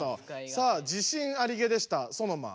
さあ自信ありげでしたソノマ。